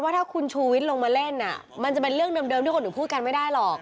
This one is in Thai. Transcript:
ถ้าคุณชูวิทย์ลงมาเล่นมันจะเป็นเรื่องเดิมที่คนอื่นพูดกันไม่ได้หรอก